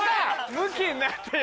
・むきになってる。